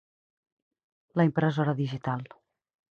La impresora digital.